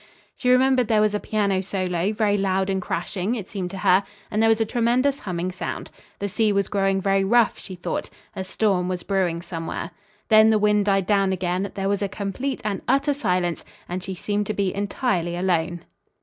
She remembered there was a piano solo, very loud and crashing, it seemed to her, and there was a tremendous humming sound. The sea was growing very rough, she thought. A storm was brewing somewhere. Then the wind died down again, there was a complete and utter silence and she seemed to be entirely alone.